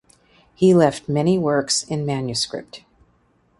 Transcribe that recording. He left many works in manuscript.